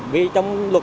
vì trong luật